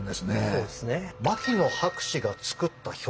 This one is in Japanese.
そうですね。